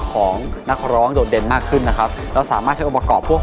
สวัสดีครับ